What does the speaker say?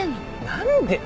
何で。